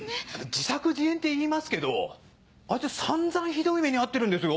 自作自演っていいますけどあいつ散々ひどい目に遭ってるんですよ！